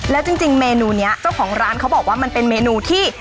แล้วจริงเมนูนี้เจ้าของร้านเขาบอกว่ามันเป็นเมนูที่